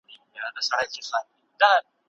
د بيلګي په توګه رجعي طلاق دی.